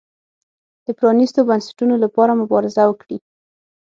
د پرانیستو بنسټونو لپاره مبارزه وکړي.